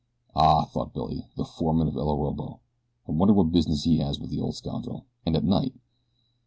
"Ah!" thought Billy; "the foreman of El Orobo. I wonder what business he has with this old scoundrel and at night."